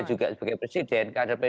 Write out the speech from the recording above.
dia juga sebagai presiden kader pde